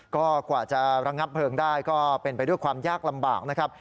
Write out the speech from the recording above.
ก็กว่าจะระงับเพลิงได้ก็เป็นไปด้วยความยากลำบากนะครับ